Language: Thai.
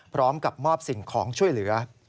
พร้อมกับมอบสิ่งของช่วยเหลือ